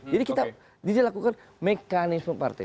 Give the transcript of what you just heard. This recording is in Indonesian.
jadi kita lakukan mekanisme partai